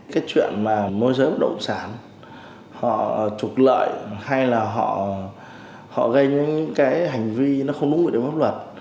cái chuyện mà môi giới bất động sản họ trục lợi hay là họ gây những cái hành vi nó không đúng quy định pháp luật